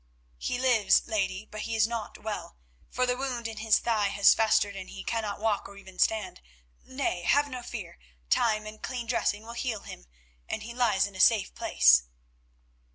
"He lives, lady, but he is not well, for the wound in his thigh has festered and he cannot walk, or even stand. Nay, have no fear, time and clean dressing will heal him, and he lies in a safe place."